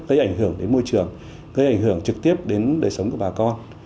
gây ảnh hưởng đến môi trường gây ảnh hưởng trực tiếp đến đời sống của bà con